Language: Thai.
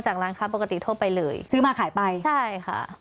มาสั่งร้านค้าปกติโทษไปเลยซื้อมาขายไปใช่ค่ะ